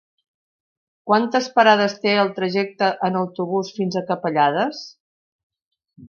Quantes parades té el trajecte en autobús fins a Capellades?